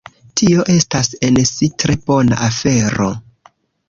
Tio estas en si tre bona afero.